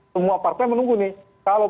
semua partai menunggu nih kalau